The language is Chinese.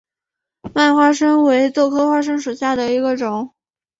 蔓花生为豆科花生属下的一个种。